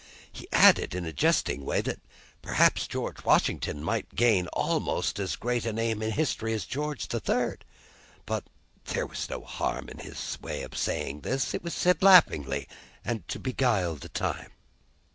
He added, in a jesting way, that perhaps George Washington might gain almost as great a name in history as George the Third. But there was no harm in his way of saying this: it was said laughingly, and to beguile the time."